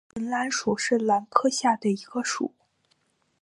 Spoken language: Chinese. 唇兰属是兰科下的一个属。